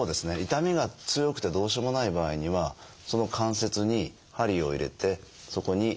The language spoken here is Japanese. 痛みが強くてどうしようもない場合にはその関節に針を入れてそこに注射をすると。